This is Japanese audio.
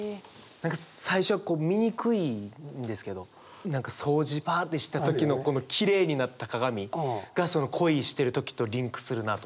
何か最初こう見にくいんですけど何か掃除パッてした時のこのきれいになった鏡がその恋してる時とリンクするなと思って。